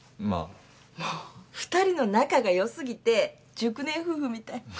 もう２人の仲がよ過ぎて熟年夫婦みたい。